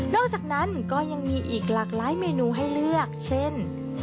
อกจากนั้นก็ยังมีอีกหลากหลายเมนูให้เลือกเช่น